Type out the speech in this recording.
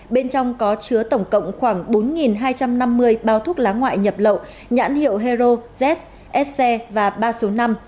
bên trong có chứa tổng cộng khoảng bốn hai trăm năm mươi bao thuốc lá ngoại nhập lậu nhãn hiệu hero z s xe và ba số năm